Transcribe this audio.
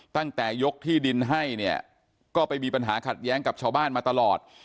ตั้งแต่ยกที่ดินให้เนี่ยก็ไปมีปัญหาขัดแย้งกับชาวบ้านมาตลอด